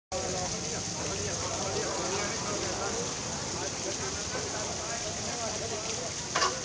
มาแล้วครับก่อนที่อยู่หน้าประตูครับ